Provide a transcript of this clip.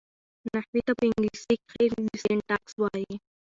نحوي ته په انګلېسي کښي Syntax وایي.